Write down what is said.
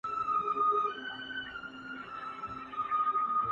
وايي منصور یم خو له دار سره مي نه لګیږي؛؛!